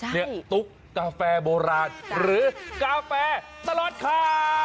ตุ๊กกาแฟโบราณหรือกาแฟตลอดข่าว